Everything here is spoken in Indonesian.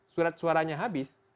surat suaranya habis